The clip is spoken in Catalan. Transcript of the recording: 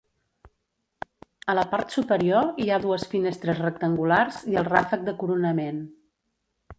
A la part superior hi ha dues finestres rectangulars i el ràfec de coronament.